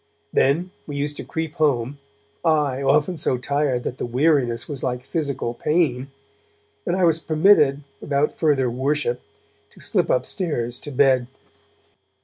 Then we used to creep home, I often so tired that the weariness was like physical pain, and I was permitted, without further 'worship', to slip upstairs to bed.